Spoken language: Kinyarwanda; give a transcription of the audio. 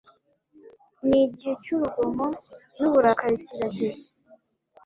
n'igihe cy'urugomo n'uburakari kirageze